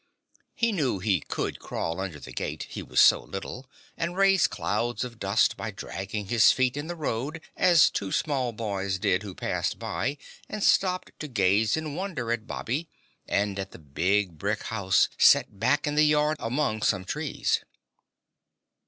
He knew he could crawl under the gate, he was so little, and raise clouds of dust by dragging his feet in the road as two small boys did who passed by and stopped to gaze in wonder at Bobby and at the big brick house set back in the yard among some trees.